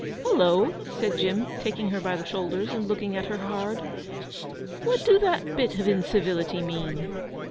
'Hullo,' said Jim, taking her by the shoulders, and looking at her hard. 'What dew that bit of incivility mean?